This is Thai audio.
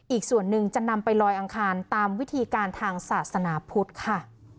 อีกส่วนหนึ่งจะนำไปลอยอังคารตามวิธีการทางศาสนาพุทธค่ะ